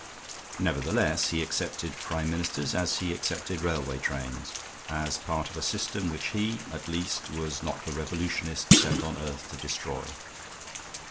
Nevertheless, he accepted Prime Ministers as he accepted railway trains as part of a system which he, at least, was not the revolutionist sent on earth to destroy.